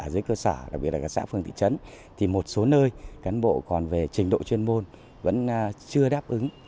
đặc biệt là các xã phương thị trấn thì một số nơi cán bộ còn về trình độ chuyên môn vẫn chưa đáp ứng